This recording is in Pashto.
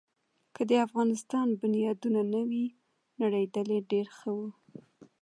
که د افغانستان بنیادونه نه وی نړېدلي، ډېر ښه وو.